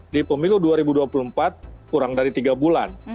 di pemilu dua ribu dua puluh empat kurang dari tiga bulan